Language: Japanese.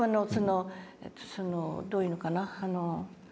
どう言うのかな